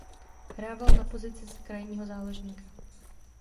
Hrával na pozici krajního záložníka.